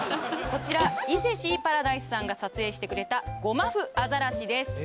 こちら伊勢シーパラダイスさんが撮影してくれたゴマフアザラシです